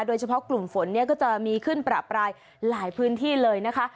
โดยเฉพาะกลุ่มฝนเนี่ยก็จะมีขึ้นประปรายหลายพื้นที่เลยนะคะ